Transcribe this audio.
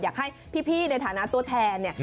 อยากให้พี่ในฐานะตัวแทนเนี่ย